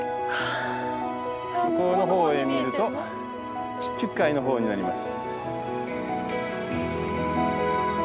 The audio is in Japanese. そこの方へ見えると地中海の方になります。